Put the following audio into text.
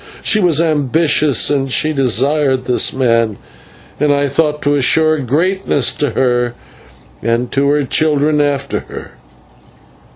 She was ambitious and she desired this man, and I thought to assure greatness to her and to her children after her.